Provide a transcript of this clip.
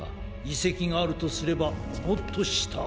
いせきがあるとすればもっとした。